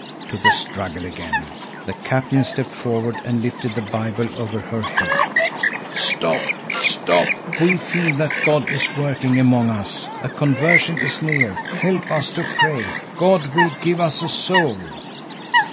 To the struggle again! The captain stepped forward and lifted the Bible over her head. Stop, stop! We feel that God is working among us. A conversion is near. Help us to pray! God will give us a soul.